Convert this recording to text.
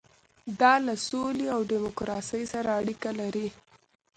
دا له سولې او ډیموکراسۍ سره اړیکه لري.